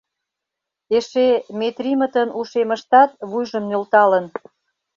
Эше Метримытын ушемыштат вуйжым нӧлталын...